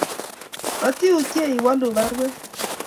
Matiutye iwalu baruet